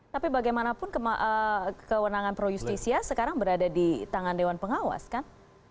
tapi bagaimanapun kewenangan pro justisia sekarang berada di tangan dewan pengawas kan